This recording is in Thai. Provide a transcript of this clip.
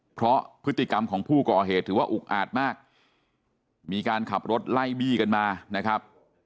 เพราะพฤติกรรมของผู้ก่อเหตุถือว่าอุกอาจมากมีการขับรถไล่บี้กันมานะครับ